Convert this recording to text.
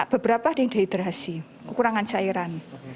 beberapa ada yang dehidrasi kekurangan cairan